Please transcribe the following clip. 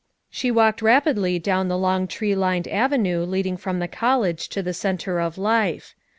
She walked rapidly down the long tree lined avenue leading from the college to the center of life.